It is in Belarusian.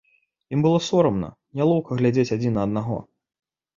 Ім было сорамна, нялоўка глядзець адзін на аднаго.